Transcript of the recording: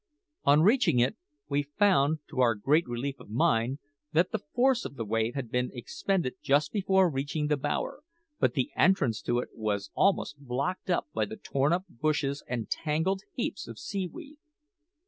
On reaching it we found, to our great relief of mind, that the force of the wave had been expended just before reaching the bower; but the entrance to it was almost blocked up by the torn up bushes and tangled heaps of seaweed.